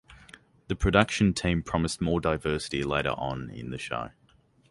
The production team promised more diversity later on in the show.